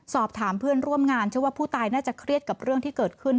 สอบถามเพื่อนร่วมงานเชื่อว่าผู้ตายน่าจะเครียดกับเรื่องที่เกิดขึ้น